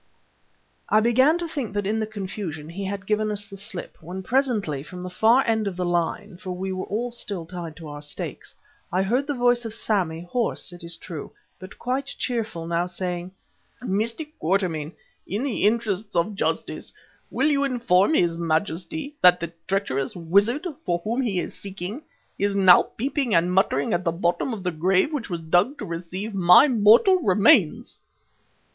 I began to think that in the confusion he had given us the slip, when presently from the far end of the line, for we were still all tied to our stakes, I heard the voice of Sammy, hoarse, it is true, but quite cheerful now, saying: "Mr. Quatermain, in the interests of justice, will you inform his Majesty that the treacherous wizard for whom he is seeking, is now peeping and muttering at the bottom of the grave which was dug to receive my mortal remains."